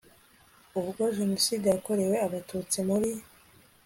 ubwo jenoside yakorewe abatutsi muri